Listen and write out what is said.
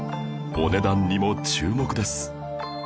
お値段にも注目です